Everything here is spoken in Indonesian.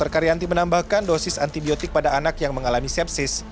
karyanti menambahkan dosis antibiotik pada anak yang mengalami sepsis